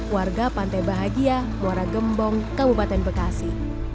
warga pantai bahagia muara gembong kabupaten bekasi